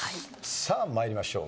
さあ参りましょう。